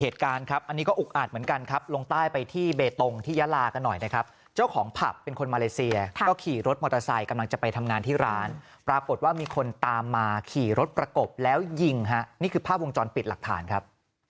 เหตุการณ์ครับอันนี้ก็อุกอาจเหมือนกันครับลงใต้ไปที่เบตงที่ยาลากันหน่อยนะครับเจ้าของผับเป็นคนมาเลเซียก็ขี่รถมอเตอร์ไซค์กำลังจะไปทำงานที่ร้านปรากฏว่ามีคนตามมาขี่รถประกบแล้วยิงฮะนี่คือภาพวงจรปิดหลักฐานครับ